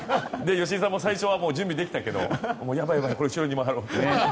吉井さんも最初は準備できたけどやばい、後ろに回ろうって。